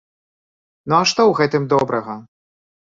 Ну, а што ў гэтым добрага?